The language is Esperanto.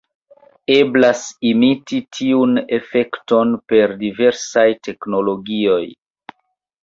Eblas imiti tiun efekton per diversaj teknologioj.